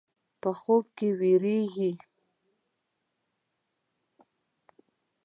په خوب کې وېرېږي.